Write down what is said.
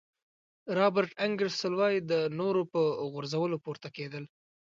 رابرټ انګیرسول وایي د نورو په غورځولو پورته کېدل.